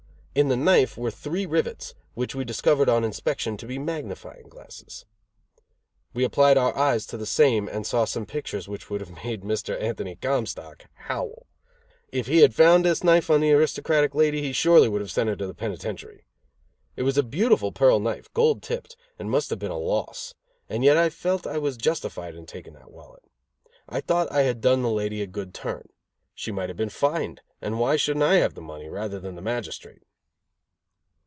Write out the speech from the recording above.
In the knife were three rivets, which we discovered on inspection to be magnifying glasses. We applied our eyes to the same and saw some pictures which would have made Mr. Anthony Comstock howl; if he had found this knife on this aristocratic lady he would surely have sent her to the penitentiary. It was a beautiful pearl knife, gold tipped, and must have been a loss; and yet I felt I was justified in taking that wallet. I thought I had done the lady a good turn. She might have been fined, and why shouldn't I have the money, rather than the magistrate?